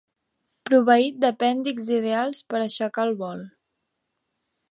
Proveït d'apèndixs ideals per aixecar el vol.